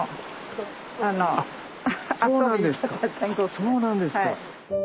そうなんですか。